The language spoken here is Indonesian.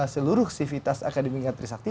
seluruh aktivitas akademika trisakti